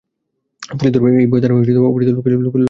Police ধরবে—এই ভয়ে তাঁরা অপরিচিত লোকের সঙ্গে কথা বলতে চান না।